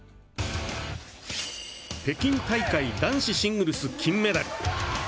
北京大会男子シングルス金メダル